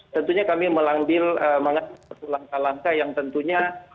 tentunya kami mengambil langkah langkah yang tentunya